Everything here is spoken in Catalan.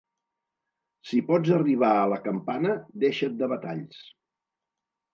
Si pots arribar a la campana, deixa't de batalls.